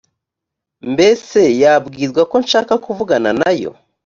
mbese yabwirwa ko nshaka kuvugana na yo